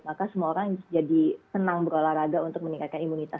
maka semua orang jadi tenang berolahraga untuk meningkatkan imunitas